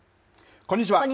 こんにちは。